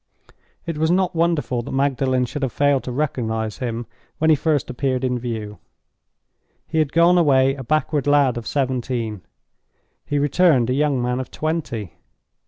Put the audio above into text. It was not wonderful that Magdalen should have failed to recognize him when he first appeared in view. He had gone away a backward lad of seventeen; he returned a young man of twenty.